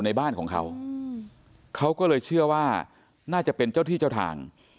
ในบ้านของเขาเขาก็เลยเชื่อว่าน่าจะเป็นเจ้าที่เจ้าทาง